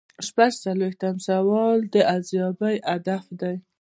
شپږ څلویښتم سوال د ارزیابۍ هدف دی.